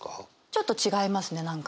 ちょっと違いますね何か。